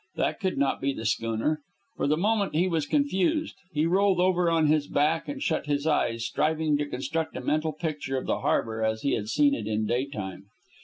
That could not be the schooner. For the moment he was confused. He rolled over on his back and shut his eyes, striving to construct a mental picture of the harbor as he had seen it in daytime.